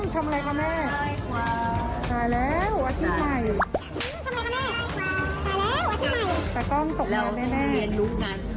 ทำลายรู้ห้ามเจียงงานด้วย